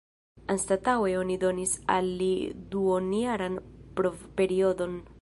Anstataŭe oni donis al li duonjaran provperiodon.